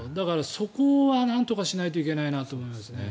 そこはなんとかしないといけないなと思いますね。